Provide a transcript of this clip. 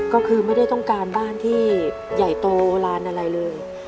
ก็คือไม่ได้ต้องการบ้านที่ใหญ่โตลานอะไรเลย